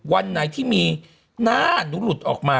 วันไหนที่มีหน้าหนูหลุดออกมา